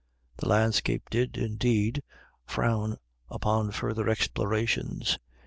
The landscape did, indeed, frown upon further explorations.